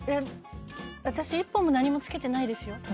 私１本も何も付けてないですよ。